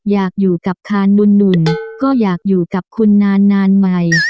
อยากอยู่กับคานหนุ่นก็อยากอยู่กับคุณนานใหม่